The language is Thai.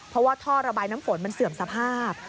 เพราะว่าท่อระบายน้ำฝนมันเสื่อมสภาพ